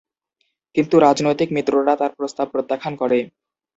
কিন্তু রাজনৈতিক মিত্ররা তার প্রস্তাব প্রত্যাখ্যান করে।